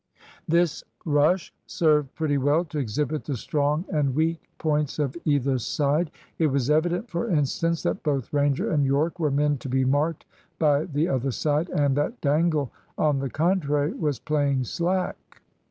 This rush served pretty well to exhibit the strong and weak points of either side. It was evident, for instance, that both Ranger and Yorke were men to be marked by the other side, and that Dangle, on the contrary, was playing slack.